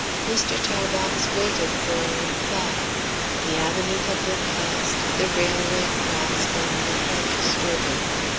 Mr. Tarbox waited for a reply. The avenue had been passed, the railway crossed, and the hedge skirted.